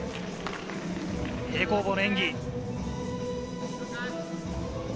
平行棒の演技。